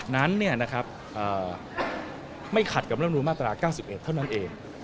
นั้นไม่ขัดกับรัฐมนุนมาตรา๙๑เท่านั้นเอง